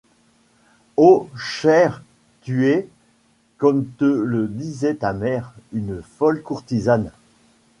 Oh! chère, tu es, comme te le disait ta mère, une folle courtisane.